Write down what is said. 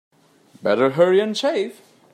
Better hurry and shave.